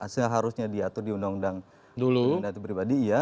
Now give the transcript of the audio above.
seharusnya diatur di undang undang data pribadi